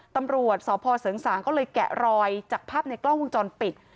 ตำรวจสศศก็เลยแกะรอยจากภาพในกล้องวงจรปิด